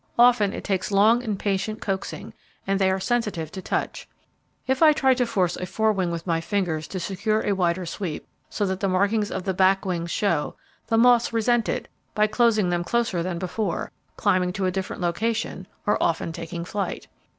Often it takes long and patient coaxing, and they are sensitive to touch. If I try to force a fore wing with my fingers to secure a wider sweep, so that the markings of the back wings show, the moths resent it by closing them closer than before, climbing to a different location or often taking flight.